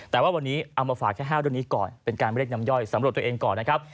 แต่ว่าวันนี้เอามาฝากแค่๕เรื่องนี้ก่อนเป็นการเรียกน้ำย่อยสำรวจตัวเองก่อนนะครับ